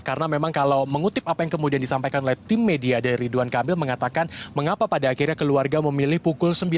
karena memang kalau mengutip apa yang kemudian disampaikan oleh tim media dari ridwan kamil mengatakan mengapa pada akhirnya keluarga memilih pukul sembilan pagi